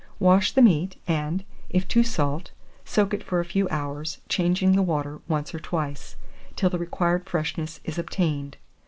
Wash the meat, and, if too salt, soak it for a few hours, changing the water once or twice, till the required freshness is obtained.